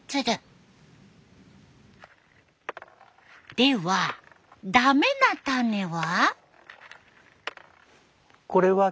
ではダメな種は？